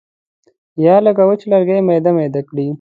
یا یې لکه وچ لرګی میده میده کړي.